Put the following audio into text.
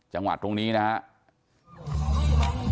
จังหวัดตรงนี้นะครับ